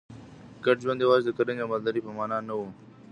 ګډ ژوند یوازې د کرنې او مالدارۍ په معنا نه و.